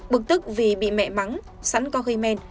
bực tức vì bị mẹ mắng sẵn có hơi men